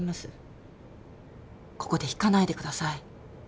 ここで引かないでください。